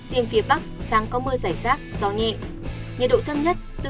riêng phía bắc sáng có mưa dài rác gió nhẹ